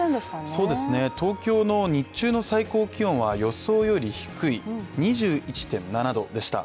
そうですね、東京の日中の最高気温は予想より低い２１．７度でした。